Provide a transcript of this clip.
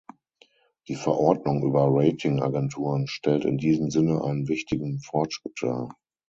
Die Verordnung über Ratingagenturen stellt in diesem Sinne einen wichtigen Fortschritt dar.